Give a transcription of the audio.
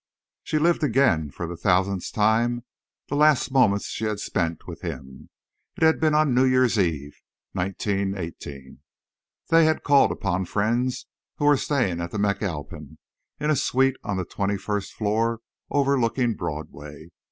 She lived again, for the thousandth time, the last moments she had spent with him. It had been on New Year's Eve, 1918. They had called upon friends who were staying at the McAlpin, in a suite on the twenty first floor overlooking Broadway.